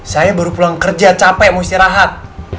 saya baru pulang kerja capek mau istirahat